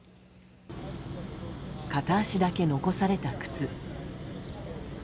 片足だけ残された靴。